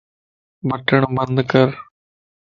بٽڻ بند کر